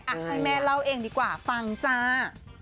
ให้แม่เล่าเองดีกว่าฟังจ้า